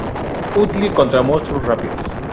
Útil contra monstruos rápidos.